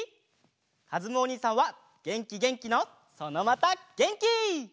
かずむおにいさんはげんきげんきのそのまたげんき！